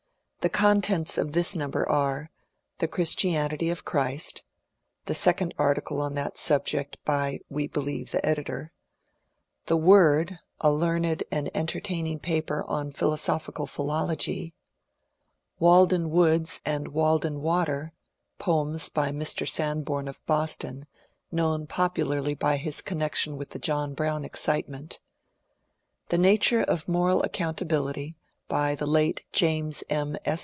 The contents of this number are :The Christianity of Christ," the second article on that sub ject by (we believe) the editor ;The Word," a learned and entertaining paper on philosophical philology ;" Walden Woods and Walden Water," poems by Mr. Sanborn of Bos ton (known popularly by his connection with the John Brown excitement) ;^^ The Nature of Moral Accountability," by the late James M.